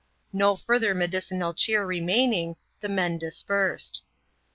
No further medicinal cheer remaining, the men dispersed.